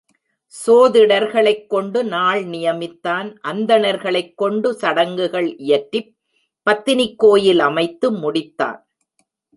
சோதிடர்களைக் கொண்டு நாள் நியமித்தான் அந்தணர்களைக் கொண்டு சடங்குகள் இயற்றிப் பத்தினிக் கோயில் அமைத்து முடித்தான்.